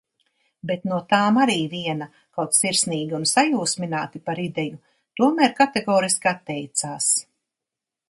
Bet no tām arī viena, kaut sirsnīgi un sajūsmināti par ideju, tomēr kategoriski atteicās.